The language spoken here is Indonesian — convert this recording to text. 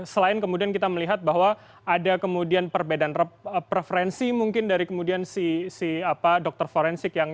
selain kemudian kita melihat bahwa ada kemudian perbedaan preferensi mungkin dari kemudian si dokter forensik yang